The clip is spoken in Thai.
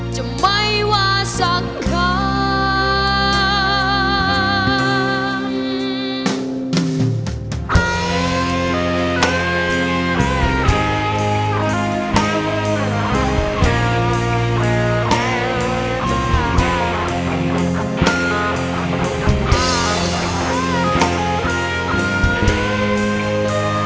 จะไม่ว่าสักคำ